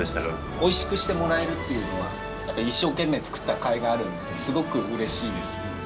おいしくしてもらえるっていうのはやっぱ一生懸命作ったかいがあるのですごく嬉しいですね。